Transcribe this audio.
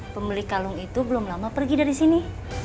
pemilik kalung itu belum lama pergi dari sini